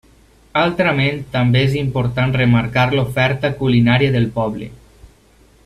Altrament també és important remarcar l'oferta culinària del poble.